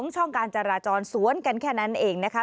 ช่องการจราจรสวนกันแค่นั้นเองนะคะ